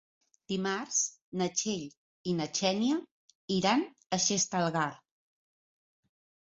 Dimarts na Txell i na Xènia iran a Xestalgar.